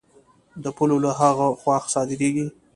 د پولو له هغه خوا صادرېږي.